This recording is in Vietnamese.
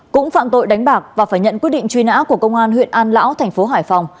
cũng phạm tội đánh bạc và phải nhận quyết định truy nã của công an huyện an lão thành phố hải phòng